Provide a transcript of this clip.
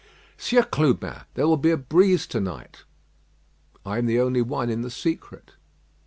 "Sieur Clubin, there will be a breeze to night." "I am the only one in the secret."